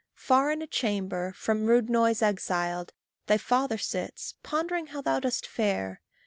Far in a chamber from rude noise exiled, Thy father sits, pondering how thou dost fare.